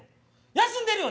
「休んでるよ」